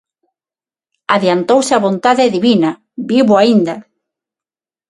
Adiantouse á vontade divina: vivo aínda.